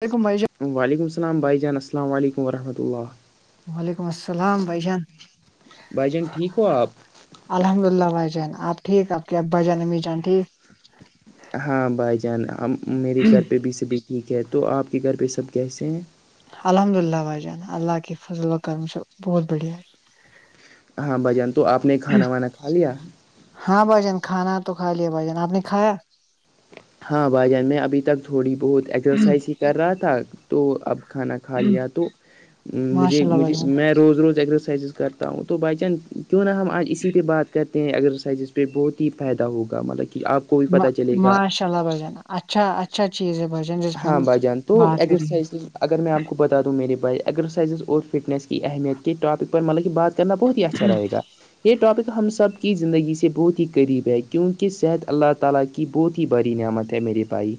دیکھو وعلیکم السلام بھائی جان السلام علیکم ورحمۃ اللہ وعلیکم السلام بھائی جان بھائی جان ٹھیک ہو آپ الحمد للہ بھائی جان آپ ٹھیک آپ کے ابا جان امی جان ٹھیک ہاں بھائی جان ہم میرے گھر پے بھی سبھی ٹھیک ہے تو آپ کے گھر پے سب کیسے ہیں الحمد للہ بھائی جان اللہ کے فضل و کرم سے بہت بڑھیا ہاں بھای جان تو آپ نے کھانا وانا کھا لیا ہاں بھائی جان کھانا تو کھا لیا بھائی جان آپ نے کھایا ہاں بھائی جان میں ابھی تک تھوڑی بہت ایکسرسائز ہی کر رہا تھا تو اب کھانا کھا لیا تو مجھے ماشاء اللہ مجھے بھائی میں روز روز ایکسرسائزز کرتا ہوں بھائی جان کیوں نہ ہم آج اسی پے بات کر ایکسرسائزز پے بہت ہی فائدہ ہوگا مطلب کی آپ کو بھی ما پتہ چلے گا ماشاء اللہ بھائی جان اچھا اچھا چیز ہے بھائی جان جس پہ ہاں ہم بھائی جان تو بات کریں گے ایکسرسائز اگر میں آپ کو بتا دوں میے بارے ایکسرسائز اور فٹنیس کی اہمیت کے اپک پر مطلب کی بات کرنا بہت ہی اچھا رہے گا یے ٹاپک ہم سب کی زندگی سے بہت ہی قریب ہے کیونکی صحت اللہ تعالی کی بہت ہی بڑی نعمت ہے میرے بھائی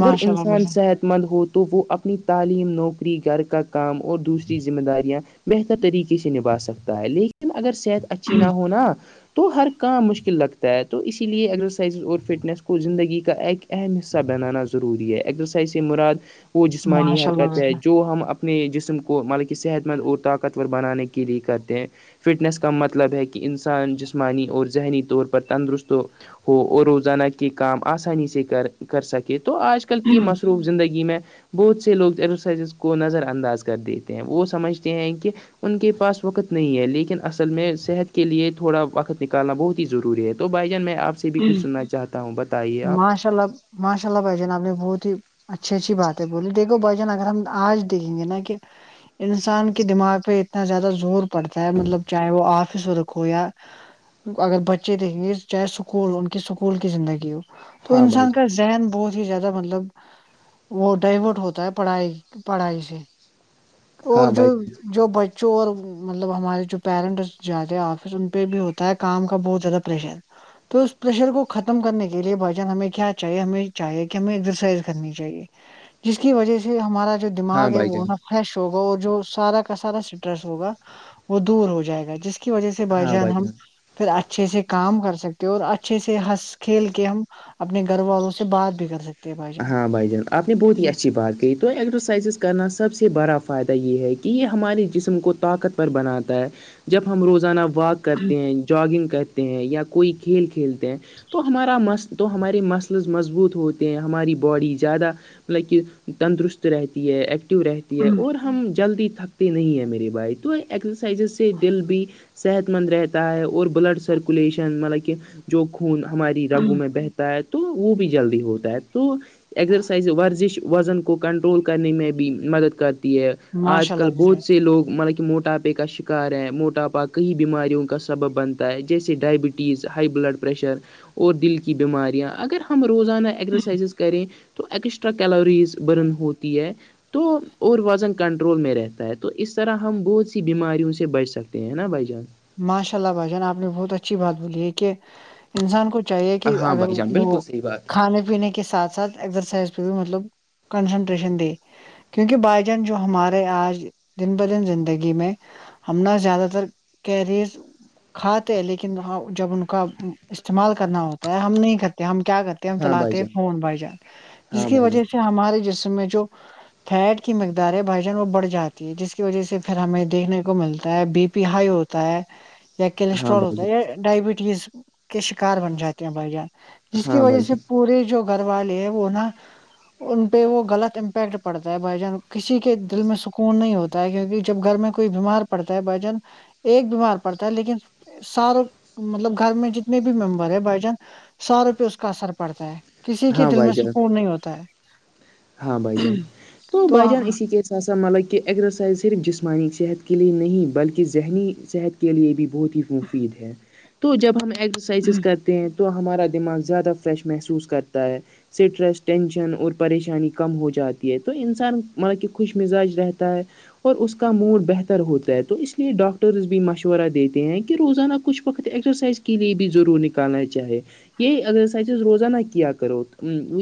اگر انسان اللہ بھائی جان صحت مند ہو تو وہ اپنی تعلیم نوکری گھر کا کام اور دوسری ذمہ داریاں بہتر طریقے سے نبھا سکتا ہے لیکن اگر صحت اچھی نہ ہونا تو ہر کام مشکل لگتا ہے تو اسی لیے ایکسرسائز اور فٹنیس کو زندگی کا ایک اہم حصہ بنانا ضروری ہے ایکسرسائز سے مراد وہ جسمانی ماشاء اللہ حرکت بھائی ہے جو ہم اپ اپنے جسم کو مطلب کی صحت مند اور طاقتور بنانے کے لیے کرتے ہیں فٹنیس کا مطلب ہے کی انسان جسمانی اور ذہنی طور پر تندرست ہو ہو اور روزانہ کے کام آسانی سے کر کر سکے تو آج کل کی جان مصروف زندگی میں بہت سے لوگ ایکسرسائزز کو نظر انداز کر دیتے ہیں وہ سمجھتے ہیں کی ان کے پاس وقت نہیں ہے لیکن اصل میں صحت کے لیے تھوڑا وقت نکالنا بہت ہی ضروری ہے بھائی جان میں آپ سے بھی کچھ سننا چاہتا ہوں بتائیے آپ ماشاء اللہ ماشاء اللہ بھائی جان آپ نے بہت ہی اچھی اچھی باتے بولی دیکھو بھائی جان اگر ہم آج دیکھیں گے نا کہ انسان کے دماغ پے اتنا زیادہ زور پڑتا ہے مطلب چاہے وہ آفس ورک ہو یا اگر بچے دیکھیں گے چاہے سکول ان کی سکول کی زندگی ہو تو ہاں بھائی انسان جان کا ذہن بہت ہی زیادہ مطلب وہ ڈائیورٹ ہوتا ہے پڑھائی پڑھائی سے اور ہاں بھائی جان جو جو بچوں اور مطلب ہمارے جو پیرنٹس جاتے آفس ان پے بھی ہوتا ہے کام کا بوجھ بہت زیادہ پریشر تو اس پرریشر کو ختم کرنے کے لیے بھائی جان ہمیں کیا چاہیے ہمیں چاہیے کہ ہمیں ایکسرسائز کرنی چاہیے جس اس کی وجہ سے ہمارا جو ہاں دماغ ہے بھائی وہ جان نا فریش ہوگا اور جو سارا کا سارا اسٹریس ہوگا وہ دور ہو جائے گا جس کی وجہ سے بھائی جان ہم پھر اچھے سے کام کر سکتے اور اچھے سے ہنس کھیل کے ہم اپنے گھر والوں سے بات بھی کر سکتے ہیں بھائی جان ہاں بھائی جان آپ نے بہت ہی اچھی بات کہی تو ایکسرسائزز کرنا سب سے بڑا فائدہ یے ہے کی یے ہمارے جسم کو طاقتور بناتا ہے جب ہم روزانہ واک کرتے ہیں جاگنگ کرتے ہیں یا کوئی کھیل کھیلتے ہیں تو ہمارا مست تو ہمارے مسلز مضبوط ہوتے ہیں ہماری باڈی زیادہ مطلب کہ تندرست رہتی ہے ایکٹو رہتی تی ہے اور ہم جلدی تھکتے نہیں ہیں میری بھائی تو ایکسرسائزز سے دل بھی صحت مند رہتا ہے اور بلڈ سرکولیشن مطلب کہ جو خون ہماری رگو میں بہتا ہے تو وہ بھی جلدی ہوتا ہے تو ایکسیرسائز ورزش وزن کو کنٹرول کرنے میں بھی مدد کر ہے آج ماشاء کل اللہ مجھے بہت سے لوگ مل موٹاپے کا شکار ہے موٹاپا کئی بیماریوں کا سبب بنتا ہے جیسے ڈائبٹیز ہائی بلڈ پر پریشر اور دل کی بیماریاں اگر ہم روزانہ ایگزس ز کریں تو ایکسٹرا کیلوریز برن ہوتی ہے تو اور وزن کنٹرول میں رہتا ہے تو اس طرح ہم بہت سی بیماریوں سے بچ سکتے ہیں نا بھائی جان ماشاء اللہ بھائی جان آپ نے بہت اچھی بات بولی ہے کہ انسان کو چاہیے کہ ہاں اگر بھائی جان بالکل وہ صحیح بات کھانے پینے کے ساتھ ساتھ ایکسرسائز پہ بھی مطلب کنسنٹریشن دے کیونکہ بائی جان جو ہمارے آج دن بہ دن زندگی میں ہم نہ زیادہ تر کلوریز کھاتے ہیں لیکن وہ جب ان کا استعمال کرنا ہوتا ہے ہم نہیں کرتے ہم کیا کرتے ہیں ہم ہاں بھائی چلاتے ہیں جان فون بھائی جان جس ہاں کی بھائی جان وجہ سے ہمارے جسم میں جو فیٹ کی مقدار ہے بھائیجن وہ بڑھاتی ہے جس کی وجہ سے پھر ہمیں دیکھنے کو ملتا ہے بی پی ہائی ہو ہوتا ہے یا ہاں کولیسٹرول بھائی ہوتا ہے یا جان ڈائبٹیز کے شکار بن جاتے بھائی جان جس کی ہاں وجہ بھائی سے جان پورے جو گھر والے ہیں وہ نا ان پہ وہ غلط امپیکٹ پڑتا ہے بھائی جان کسی کے دل میں سکون نہیں ہوتا کیونکہ جب گھر میں کوئی بیمار پڑتا ہے بھائی جان ایک بیمار پڑتا ہے لیکن ساروں مطلب گھر میں جتنے بھی ممبر ہے بھائی جان ساروں پہ اس کا اثر پڑتا ہے کسی کے ہاں دل بھائی میں جان سکون نہیں ہوتا ہے ہاں بھائی جان تو بھائی جان اسی کے س سا ملب کہ ا ایکسزسائز صرف جسمانی صحت کے لیے نہیں بلکہ ذہنی صحت کے لیے بھی بہت ہی مفید ہے تو جب ہم ایکسرسائزز کرتے ہیں تو ہمارا دماغ زیادہ فریش محسوس کرتا ہے اسٹریس ٹینشن اور پریشانی پریشانی کم ہو جاتی ہے تو انسان مطلب کہ خوش مزاج رہتا ہے اور اس کا موڈ بہتر ہوتا ہے تو اس لیے ڈاکٹرز بھی مشورہ دیتے ہیں کہ روزانہ کچھ وقت ایکسرسائز کے لیے بھی ضرور نکالنا چاہے یہ ایکسرسائزز روزانہ کیا کرو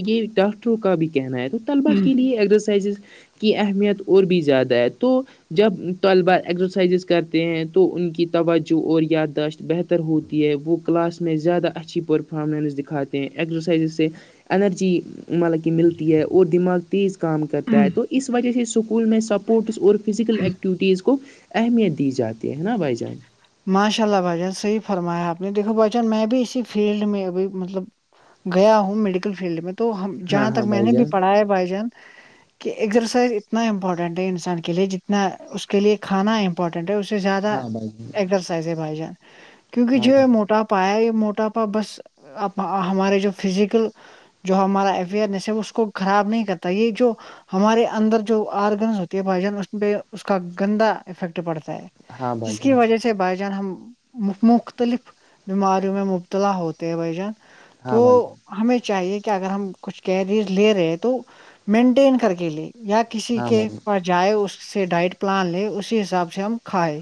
یہ ڈاکٹروں کا بھی کہنا ہے تو طلبا کے لیے ایکسزرسائزز کی اہمیت اور بھی زیادہ ہے تو جب طلبہ ایکسرسائزز کرتے ہیں تو ان کی توجہ اور یادداشت بہتر ر ہوتی ہے وہ کلاس میں زیادہ اچھی پرفارمنس دکھاتے ہیں ایکزرسائزز سے انرجی مطلب کہ ملتی ہے اور دماغ تیز کام کرتا ہے تو اس وجہ سے سک اسکول میں سپورٹس اور فزیکل ایکٹیوٹیز کو اہمیت دی جاتی ہے نا بھائی جان ماشاء اللہ بھائی جان صحیح فرمایا آپ نے دیکھو بھائی جان میں بھی اسی فیلڈ میں ابھی مطلب گیا ہوں میڈیکل فیلڈ میں تو ہاں جہاں تک ہاں میں بھائی نے بھی جان پڑھا ہے بائی جان کہ ایکسرسائز اتنا امپورٹینٹ ہے انسان کے لیے جتنا اس کے لیے کھانا امپورٹینٹ ہے سے زیادہ ہاں بھائی جان سائز ہے بھائی جان کیونکہ ہاں بھائی جو جان، موٹا ہوتا یہ موٹاپا بس اب ہمارے جو فزیکل جو ہمارا اوئرنیس ہے اس کو خراب نہیں کرتا یہ جو ہمارے اندر جو آرگنس ہوتی ہے بھائی جان اس پہ اس کا گندا افیکٹ پڑتا ہے ہے ہاں بھائی جس کی جان وجہ سے بائی جان ہم مختلف بیماریوں میں مبتلا ہوتے ہیں بھائی جان تو ہاں بھائی ہمیں چاہیے کہ اگر ہم کچھ کیلریز لے رہے تو مینٹین کر کے لے یا کسی جان کے پاس جائے اس سے ڈائٹ پلان لے اسی حساب سے ہم کھائے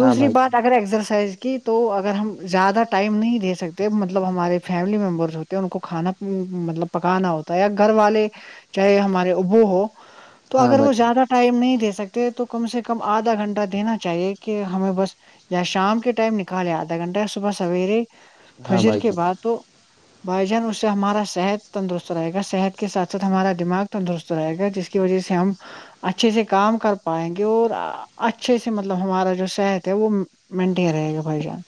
ہاں بھائی جان بات اگر ایکسرسائز کی تو اگر ہم زیادہ ٹائم نہیں دے سکتے مطلب ہمارے فیملی ممبر ان کو کھانا مطلب پکانا ہوتا یا گھر والے چاہے ہمارے ابو ہو تو ہاں اگر بھائی وہ زیادہ جان ٹائم نہیں دے سکتے تو کم سے کم آدھا گھنٹہ دینا چاہیے کہ ہمیں بس یا شام کے ٹائم نکالے آدھا گھنٹہ صبح سویرے ہاں بھائی جان ہاں فجر بھائی کے جان بعد تو بھائی جان اس سے ہمارا صحت تندرست رہے گا صحت کے سات ساتھ ہمارا دماغ تندرست رہے گا جس وجہ سے ہم اچھے سے کام کر پائیں گے اور ا اچھے سے مطلب ہمارا جو صحت ہے وہ مینٹیں رہے گا بھائی جان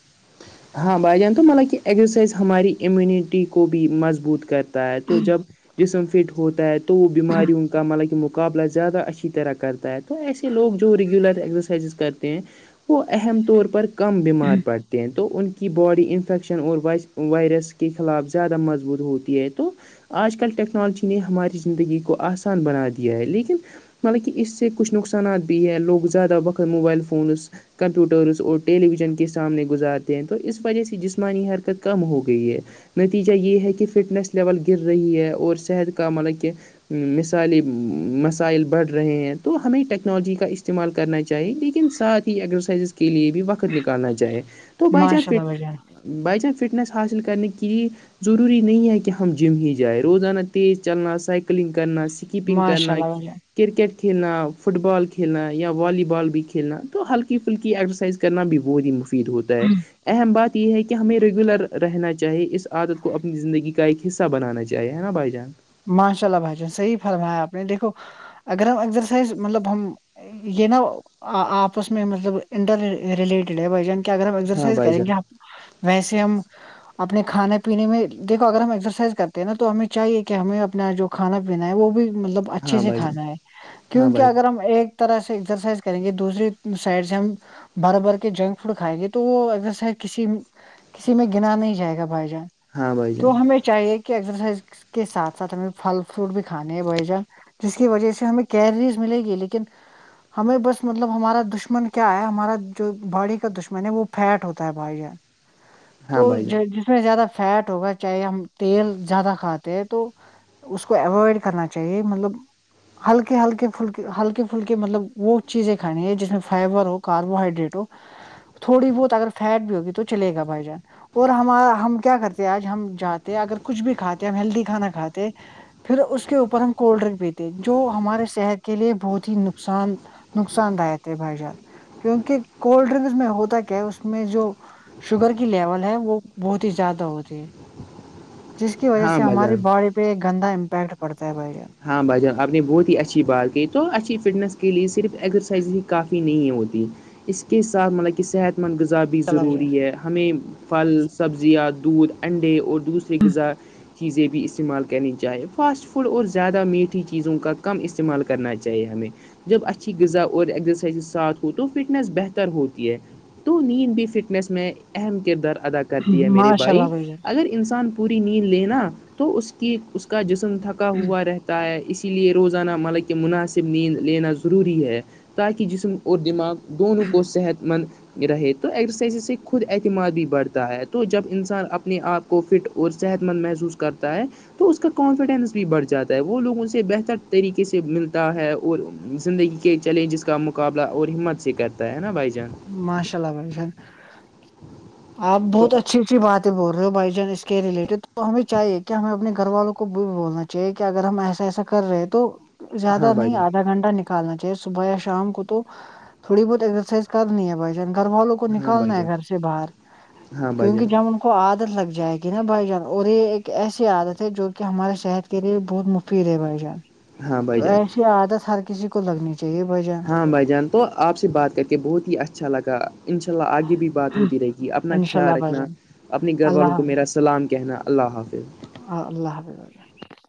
ہاں بھائی جان تو مین نے کیا ایگزرسائز ہماری امیونٹی کو بھی مضبوط کر تا ہے تو جب جسم فٹ ہوتا ہے تو وہ بیماریوں کا مطلب کہ م قابلہ زیادہ اچھی طرح کرتا ہے تو ایسے لوگ جو ریگولر ایکسرسائزز کرتے ہیں وہ اہم طور پر کم بیمار پڑتے ہیں تو ان کی باڈی انفیکشن اور وائز وائرس کے خلاف زیادہ مضبوط ہوتی ہے تو آج کل ٹیکنالوجی نے ہماری زندگی کو آسان بنا دیا ہے لیکن حالانکہ اس سے کچھ نقصانات بھی ہے لوگ زیادہ وقت موبائل فونز کمپیوٹرس اور ٹیلی ویژن کے سامنے گزار تے ہیں تو اس وجہ سے جسمانی حرکت کم ہو گئی ہے نتیجہ یہ ہے کہ فٹنس لیول گر رہی ہے اور صحت کا مطلب کہ ہوں مثالی مسائل بڑھ رہے ہیں تو ہمیں ٹیکنالوجی کا استعمال کرنا چاہی لیکن ساتھ ہی ایکسرسائزز کے لیے بھی وقت نکالنا چاہے تو بھائی جان ماشاء اللہ فٹ بھائی جان بھائی جان فٹنیس حاصل کرنی کی ضروری نہیں ہے کہ ہم جم ہی جائیں روزانہ تیز چلنا سائ کلنگ کرنا سکیپنگ ماشاء کرنا اللہ بھائی کرکٹ کھیلنا فٹ بال کھیلنایا والی بال بھی کھیلنا تو ہلکی پھلکی ایگزرسائز کرنا بھی بہت ہی مفید ہوتا ہے جان اہم بات یہ ہے کہ ہمیں ریگولر رہنا چاہیے اس عادت کو اپنی زندگی کا ایک حصہ بنانا چاہے ہے نا بھائی جان ماشاء اللہ بھائی جان صحیح فرمایا آپ نے دیکھو اگر ہم ایکزرسائز مطلب ہم یہ نا ا ا آپس میں مطلب انٹر ریلیٹڈ ہے بھائی جان کے اگر ہم ہاں ایکسرائز بھائی کریں جان گے ہم ویسے ہم اپنے کھانے پینے میں دیکھو اگر ہم ایکسرسائز کرتے ہیں نا تو ہمیں چاہیے کہ ہمیں اپنا جو کھانا پینا ہے وہ بھی مطلب اچھے ہاں سے بھائی جان کھانا ہے ہاں کیونکہ بھائی اگر ہم ایک طرح سے ایکسرسائز کریں گے دوسری سائڈ سے ہم بھر بھر کے جنک فوڈ کھائیں گے تو وہ اگسرسائز کسی کسی میں گنا نہیں جائے گا بھائی جان ہاں بھائی جان تو ہمیں چاہیے کہ ایکسرسائز کے ساتھ ساتھ ہمیں پھل فروٹ بھی کھانے ہے بھائی جان جس کی وجہ سے ہمیں کیلریز ملے گی لیکن ہمیں بس مطلب ہمارا دشمن کیا ہے ہمارا جو باڈی کا دشمن ہے وہ فیٹ ہوتا ہے بھائی جان ہاں تو بھائی جان ج جس میں زیادہ فیٹ ہوگا چاہے ہم تیل زیادہ کھا ثے ہیں تو اس کو اوائڈ کرنا چاہیے مطلب ہلکے ہلکے پلھکے ہلکے پھلکے مطلب وہ چیزیں کھانی ہے جس میں فائبر ہو کاربوہائڈریٹ ہو تھوڑی بہت اگر فیٹ بھی ہوگی تو چلے گا بھائی جان اور ہمارا ہم کیا کرتے ہیں آج ہم جاتے اگر کچھ بھی کھاتے ہم ہیلدی کھانا کھاتے پھر اس کے اوپر ہم کولڈ ڈرنک پیتے جو ہمارے صحت کے لیے بہت ہی نقصان نقصان دایک تھ ہے بھائی جان کیونکہ کولڈ ڈرنکس میں ہوتا کیا اس میں جو شوگر کی لیول ہے وہ بہت ہی زیادہ ہوتی ہے جس کی وجہ ہاں سے بھائی ہماری جان باڈی پے ایک گندا امپیکٹ پڑتا ہے بھائی جان ہاں بھائی جان آپ نے بہت ہی اچھی بات کہی تو اچھی فٹنس کے لیے صرف ایکزرسائز ہی کافی نہیں ہوتی اس کے ساتھ مطلب کی صحت مند غذا بھی جان ضروری ہے ہمیں پھل سبزیاں دودھ انڈے اور دوسرری غذا چیزیں بھی استعمال کرنی چاہیں فاسٹ فوڈ اور ز زیادہ میٹھی چیزوں کا کم استعمال کرنا چاہیے ہمیں جب اچھی غذا اور ایزرسائز ساتھ ہو تو فٹنس بہتر ہوتی ہے تو نیند بھی فٹنس میں اہم کردار ادا کرتی ہے میرے ماشاء بھائی اللہ اگر انسان پوری نیند لینا تو اس کی اس کا جسم تھکا جان ہوا رہتا ہے اسی لیے روزانہ مطلب کے مناسب نیند لینا ضروری ہے تاکی جسم اور دماغ دونوں کو صحت مند رہے تو ایکسرسائزز سے خود اعتماد بھی بڑھتا ہے تو جب انسان اپنے آپ کو فٹ اور صحت مند محسوس کرتا ہے تو اس کا کانفیڈینس بھی بڑھ جاتا وہ لوگوں سے بہتر طریقے سے ملتا ہے اور زندگی کے چیلنجزس کا مقابلہ اور ہمت سے کرتا ہے نا بھائی جان ماشاء اللہ بھائی جان آپ تو بہت اچھی اچھی باتے بول رہے ہو بھائی جان اس کے رلیٹڈ تو ہمیں چاہیے کہ ہمیں اپنے گھر والوں کو بھی بولنا چاہیے کہ اگر ہم ایسا ایسا کر رہے ہیں تو زیادہ ہاں بھائی نہیں جان آدھا گھنٹہ نکالنا چاہیے صبح یا شام کو تو تھوڑی بہت ایکسرسائز کرنی ہے بھائی جان گھر والوں کو ہاں بھائی نکالنا ہے جان گھر سے باہر ہاں بھائی کیونکی جان جب کو عادت لگ جائے گی نا بھائی جان اور یے ایک ایسی عادت ہے جو کی ہمارے صحت کے لیے بہت مفید ہے بھائی جان ہاں تو بھائی جان ایسی عادت ہر کسی کو لگنی چاہیے بھائی جان ہاں بھائی جان تو آپ سے بات کر کے بہت ہی اچھا لگا انشاء اللہ آگے بھی بات ہوتی رہے گی اپنا انشاء خیال اللہ بھائی رکھنا جان اپنے گھر والوں اللہ کو میرا سلام کہنا اللہ حافظ ہاں اللہ حافظ بھائی جان